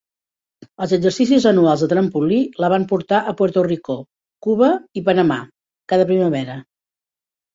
Els exercicis anuals de trampolí la van portar a Puerto Rico, Cuba i Panamà cada primavera.